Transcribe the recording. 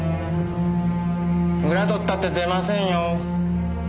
裏取ったって出ませんよ。